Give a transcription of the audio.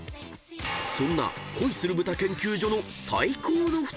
［そんな「恋する豚研究所」の］